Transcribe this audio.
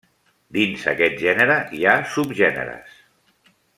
Dins aquest gènere hi ha subgèneres.